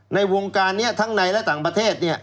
ในวงการนี้ทั้งในและต่างประเทศ